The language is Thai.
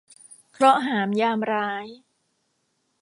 เคราะห์หามยามร้าย